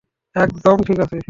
একদম ঠিক আছি।